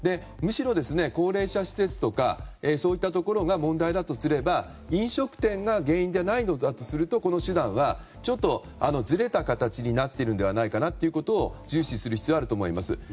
むしろ高齢者施設とかそういったところが問題だとすれば、飲食店が原因ではないのだとするとこの手段はちょっとずれた形になってるのではないかを重視する必要があると思います。